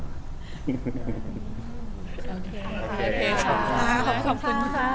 โอเคค่ะขอบคุณค่ะ